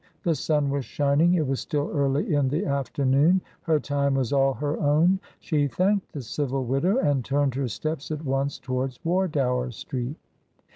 The sun was shining; it was still early in the afternoon; her time was all her own. She thanked the civil widow, and turned her steps at once towards Wardour Street.